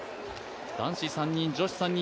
男子３人、女子３人。